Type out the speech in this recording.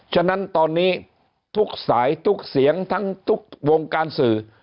ฉะนั้นตอนนี้ทุกสายทุกเสียงทั้งทุกวงการสื่อ